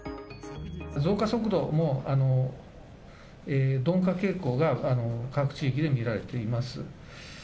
増加速度も鈍化傾向が各地域で見られています。